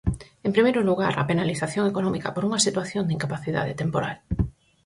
En primeiro lugar, a penalización económica por unha situación de incapacidade temporal.